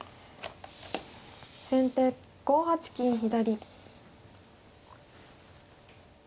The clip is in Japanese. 先手５八金左。